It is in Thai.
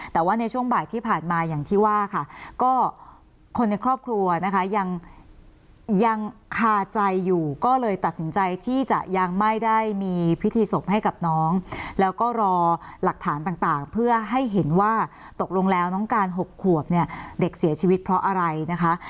แต่ว่าในช่วงบ่ายที่ผ่านมาอย่างที่ว่าค่ะก็คนในครอบครัวนะคะยังคาใจอยู่ก็เลยตัดสินใจที่จะยังไม่ได้มีพิธีศพให้กับน้องแล้วก็รอหลักฐานต่างเพื่อให้เห็นว่าตกลงแล้วน้องการ๖ขวบเนี่ยเด็กเสียชีวิตเพราะอะไรนะคะ